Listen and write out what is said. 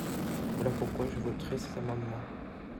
Voilà pourquoi je voterai cet amendement.